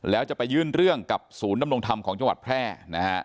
แล้วจะไปยื่นเรื่องกับศูนย์ดำรงธรรมของจังหวัดแพร่นะฮะ